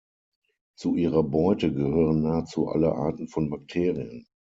Zu ihrer Beute gehören nahezu alle Arten von Bakterien.